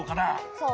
そう。